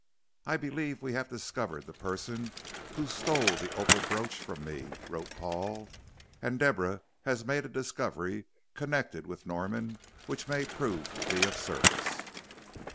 "I believe we have discovered the person who stole the opal brooch from me," wrote Paul, "and Deborah has made a discovery connected with Norman which may prove to be of service."